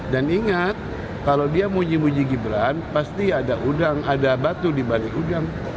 dan ingat kalau dia muji muji gibran pasti ada udang ada batu dibalik udang